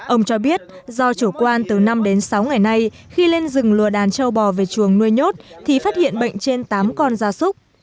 ông cho biết do chủ quan từ năm đến sáu ngày nay khi lên rừng lùa đàn châu bò về chuồng nuôi nhốt thì phát hiện bệnh trên tám con da súc